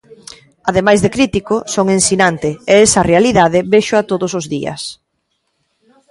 Ademais de crítico son ensinante e esa realidade véxoa todos os días.